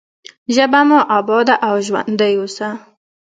ژبه مو اباده او ژوندۍ اوسه.